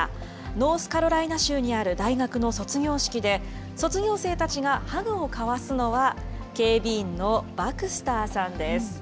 ノースカロライナ州にある大学の卒業式で、卒業生たちがハグを交わすのは、警備員のバクスターさんです。